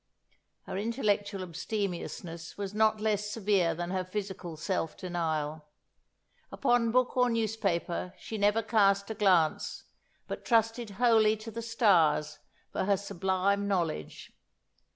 Her intellectual abstemiousness was not less severe than her physical self denial. Upon book or newspaper she never cast a glance, but trusted wholly to the stars for her sublime knowledge.